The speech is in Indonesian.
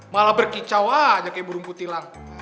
malah berkicau aja kayak burung kutilang